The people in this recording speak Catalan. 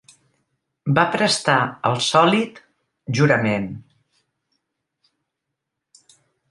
Va prestar el sòlit jurament.